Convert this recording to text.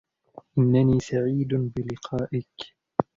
إنني سعيد بلقائك.